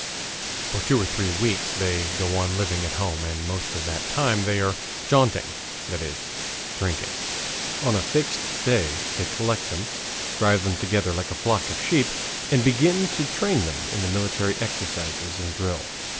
For two or three weeks they go on living at home, and most of that time they are "jaunting," that is, drinking. On a fixed day they collect them, drive them together like a flock of sheep, and begin to train them in the military exercises and drill.